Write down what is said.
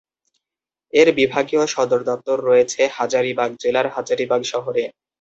এর বিভাগীয় সদর দপ্তর রয়েছে হাজারিবাগ জেলার হাজারিবাগ শহরে।